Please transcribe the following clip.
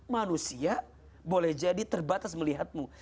manusia boleh jadi terbatas melihatmu